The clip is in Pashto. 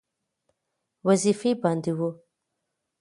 وظیفه باندې وو.